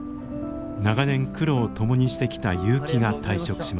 長年苦労を共にしてきた結城が退職しました。